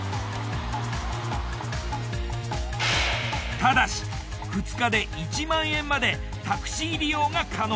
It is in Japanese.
ただし２日で１万円までタクシー利用が可能。